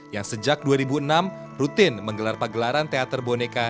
yang sejak dua ribu enam rutin menggelar pagelaran teater boneka